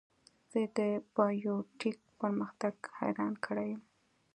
زه د بایو ټیک پرمختګ حیران کړی یم.